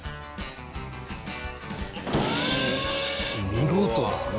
見事だね。